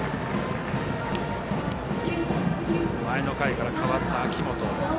前の回から代わった秋本。